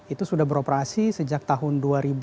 itu sudah beroperasi sejak tahun dua ribu dua